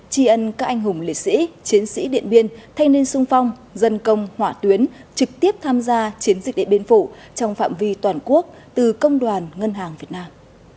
tri ân các anh hùng liệt sĩ chiến sĩ điện biên thanh niên sung phong dân công hỏa tuyến trực tiếp tham gia chiến dịch điện biên phủ trong phạm vi toàn quốc từ công đoàn ngân hàng việt nam